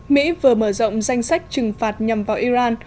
mỹ vừa mở rộng danh sách trừng phạt nhằm vào iran